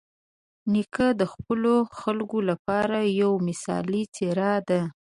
نیکه د خپلو خلکو لپاره یوه مثالي څېره ده.